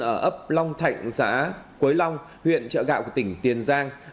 ở ấp long thạnh xã quế long huyện trợ gạo của tỉnh tiền giang